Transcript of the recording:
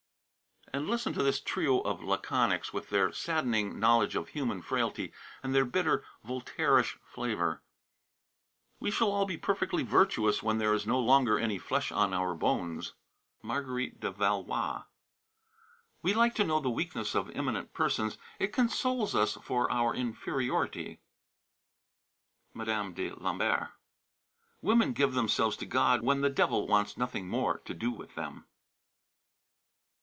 And listen to this trio of laconics, with their saddening knowledge of human frailty and their bitter Voltaireish flavor: We shall all be perfectly virtuous when there is no longer any flesh on our bones. Marguerite de Valois. We like to know the weakness of eminent persons; it consoles us for our inferiority. Mme. de Lambert. Women give themselves to God when the devil wants nothing more to do with them.